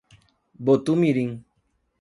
Botumirim